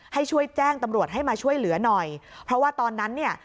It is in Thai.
ให้ช่วยแจ้งตำรวจให้มาช่วยเหลือหน่อยเพราะว่าตอนนั้นเนี่ย